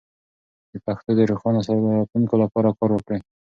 د پښتو د روښانه راتلونکي لپاره کار وکړئ.